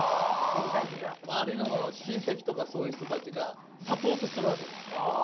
周りの親戚とかそういう人たちがサポートするわけですね。